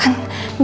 ke siapa pun